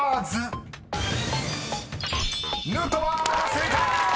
［正解！］